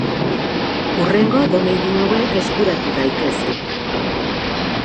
Hurrengo domeinu hauek eskuratu daitezke.